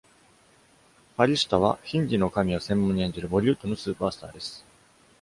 Farishta は、ヒンディーの神を専門に演じるボリウッドのスーパースターです。